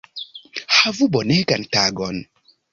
Havu bonegan tagon